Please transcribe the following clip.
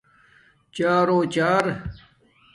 چارݸ چار